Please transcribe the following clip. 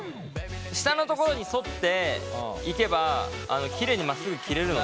下の所に沿っていけばきれいにまっすぐ切れるので。